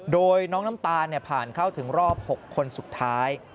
โดยน้องน้ำตาลผ่านเข้าถึงรอบ๖คนสุดท้าย